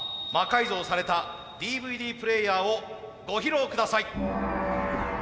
改造されたＤＶＤプレーヤーをご披露下さい。